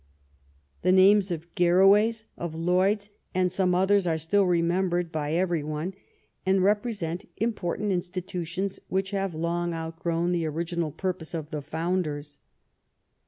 The names of Garraway's, of Lloyd's, and some others are still remembered by every one, and represent important institutions which have long out grown the original purpose of the founders.